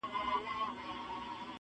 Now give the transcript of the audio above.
په دې اور سو موږ تازه پاته کېدلای-